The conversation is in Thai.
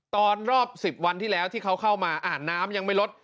ตอนรอบ๑๐วันที่แล้วที่เขาเข้ามาอ่านน้ำยังไม่ลด